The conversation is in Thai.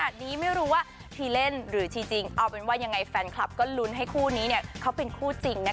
ก่อนที่พี่นักข่าวจะลากบอยมาสัมภาษณ์คู่เมื่อชิปปี้บอกถ้าเฮียบอยให้อังปาวจะยอมเป็นแฟนอ้าวงานนี้ฟินขนาดไหนไปดูกันค่ะ